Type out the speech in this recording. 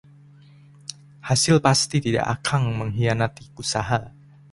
Hasil pasti tidak akang mengkhianati usaha.